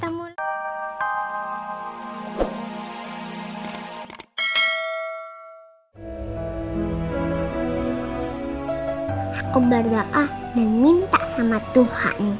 aku berdoa dan minta sama tuhan